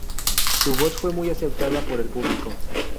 Su voz fue muy aceptada por el público.